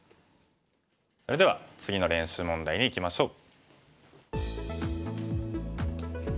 それでは次の練習問題にいきましょう。